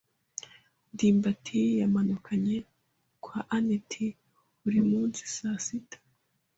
ndimbati yamanukaga kwa anet buri munsi saa sita.